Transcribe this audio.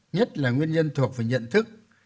nhất là nguyên nhân thuộc về nhận thức